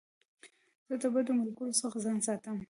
زه د بدو ملګرو څخه ځان ساتم.